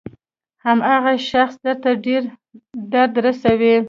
هماغه شخص درته ډېر درد رسوي.